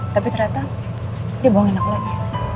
tapi ternyata dia buangin aku lagi